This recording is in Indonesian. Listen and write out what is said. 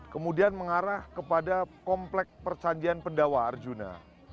kemudian mengarah kepada komplek percantian pendawa arjuna